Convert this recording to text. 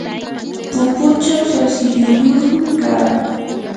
pupuchaw sarsilluyuqmi kaa.